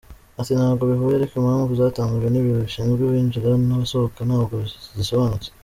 Ati : “ntabwo bihuye ariko impamvu zatanzwe n’Ibiro bishinzwe abinjira n’abasohoka ntabwo zisobanutse.